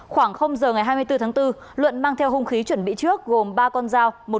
khoảng giờ ngày hai mươi bốn tháng bốn luận mang theo hung khí chuẩn bị trước gồm ba con dao